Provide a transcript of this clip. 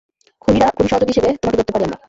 খুনীর সহযোগী হিসেবে তোমাকে ধরতে পারি আমরা।